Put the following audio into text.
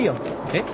えっ？